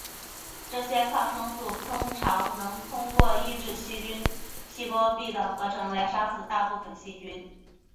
这些抗生素通常能通过抑制细菌细胞壁的合成来杀死大部分的细菌。